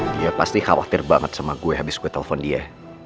dia pasti khawatir banget sama gue habis gue telepon dia